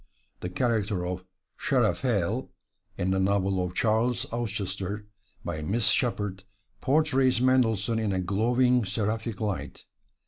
The character of "Seraphael" in the novel of "Charles Auchester," by Miss Sheppard, portrays Mendelssohn in a glowing, seraphic light.